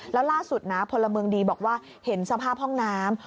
แล้วล่าสุดนะพลเมืองดีบอกว่าเห็นสภาพห้องน้ำ